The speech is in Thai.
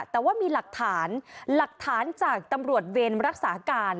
แต่ว่ามีหลักฐานหลักฐานจากตำรวจเวรรักษาการ